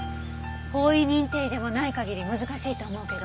法医認定医でもない限り難しいと思うけど。